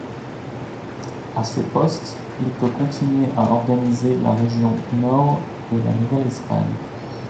À ce poste il peut continuer à organiser la région nord de la Nouvelle-Espagne.